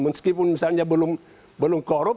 meskipun misalnya belum korup